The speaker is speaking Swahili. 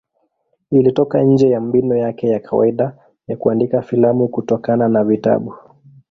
Ilitoka nje ya mbinu yake ya kawaida ya kuandika filamu kutokana na vitabu.